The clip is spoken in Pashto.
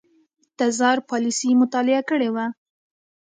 تزار پالیسي مطالعه کړې وه.